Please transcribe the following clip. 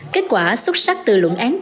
kết quả xuất sắc từ luận án tốt nghiệp